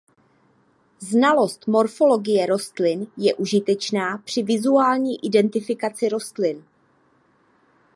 Znalost morfologie rostlin je užitečná při vizuální identifikaci rostlin.